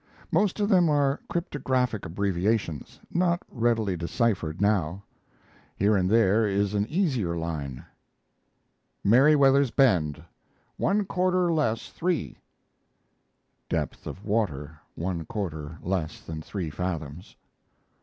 Most of them are cryptographic abbreviations, not readily deciphered now. Here and there is an easier line: MERIWEATHER'S BEND 1/4 less 3 [Depth of water. One quarter less than three fathoms.